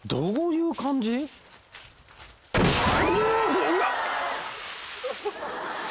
うわっ！